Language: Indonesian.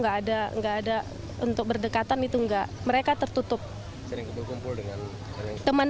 kepala lingkungan lima kelurahan belawan satu menyatakan rumah yang digeledah